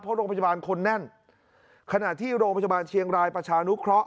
เพราะโรงพยาบาลคนแน่นขณะที่โรงพยาบาลเชียงรายประชานุเคราะห